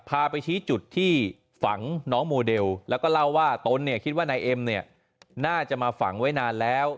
พาไปชี้จุดที่ฝังน้องโมเดลแล้วก็เล่าว่าตนเนี่ยคิดว่านายเอ็มเนี่ยน่าจะมาฝังไว้นานแล้ว